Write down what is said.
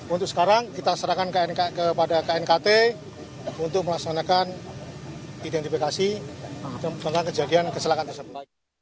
untuk sekarang kita serahkan kepada knkt untuk melaksanakan identifikasi tentang kejadian kecelakaan tersebut